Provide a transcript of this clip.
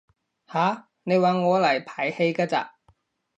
吓？你搵我嚟排戲㗎咋？